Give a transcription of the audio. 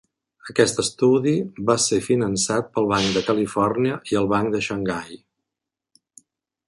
Aquest estudi va ser finançat pel Banc de Califòrnia i el Banc de Xangai.